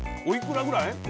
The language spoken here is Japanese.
おいくらぐらい？